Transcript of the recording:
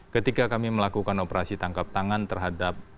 ketika kami melakukan operasi tangkap tangan terhadap ketua pihak